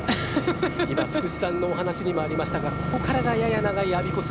今、福士さんのお話にもありましたがここからがやや長いあびこ筋。